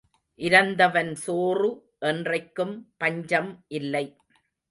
இரந்தவன் சோறு என்றைக்கும் பஞ்சம் இல்லை.